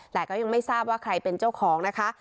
แต่ก็ยังไม่ทราบว่าใครเป็นเจ้าของนะคะ